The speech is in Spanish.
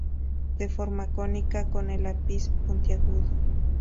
De forma cónica, con el ápice puntiagudo.